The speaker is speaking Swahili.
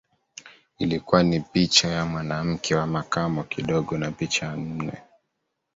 Ilikuwa ni picha ya mwanamke wa makamo kidogo na picha ya nne